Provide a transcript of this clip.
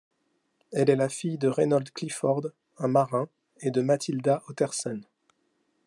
Elle est la fille de Reynold Clifford, un marin, et de Matilda Ottersen.